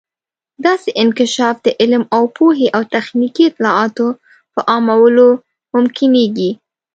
داسې انکشاف د علم او پوهې او تخنیکي اطلاعاتو په عامولو ممکنیږي.